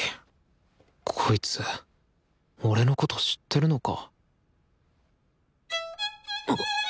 こいつ俺のこと知ってるのか？